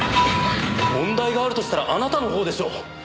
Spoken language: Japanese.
問題があるとしたらあなたの方でしょう！